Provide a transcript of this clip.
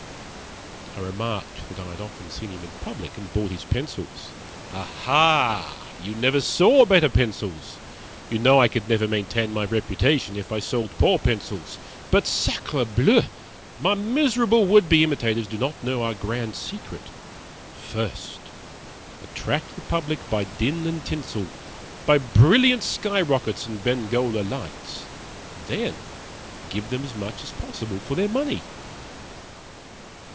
I remarked that I had often seen him in public, and bought his pencils. "Aha! you never saw better pencils. You know I could never maintain my reputation if I sold poor pencils. But sacre bleu, my miserable would be imitators do not know our grand secret. First, attract the public by din and tinsel, by brilliant sky rockets and Bengola lights, then give them as much as possible for their money."